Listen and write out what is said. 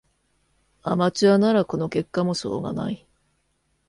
アマチュアならこの結果もしょうがない